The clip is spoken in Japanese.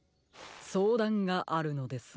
そうだんがあるのですが。